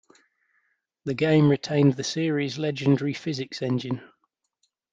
The game retained the series' legendary physics engine.